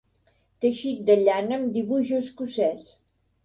Teixit de llana amb dibuix escocès.